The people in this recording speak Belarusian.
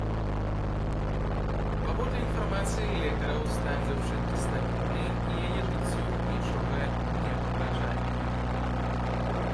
Паводле інфармацыі лекараў, стан дзяўчынкі стабільны, і яе жыццю нічога не пагражае.